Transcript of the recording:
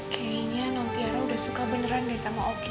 kayaknya nantiara udah suka beneran deh sama oki